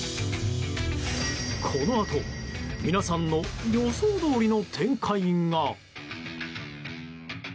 このあと、皆さんの予想どおりの展開が。